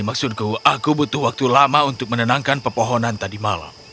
maksudku aku butuh waktu lama untuk menenangkan pepohonan tadi malam